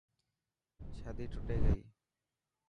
شادي ٽٽي گئي.